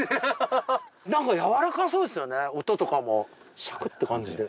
なんかやわらかそうですよね音とかもシャクッて感じで。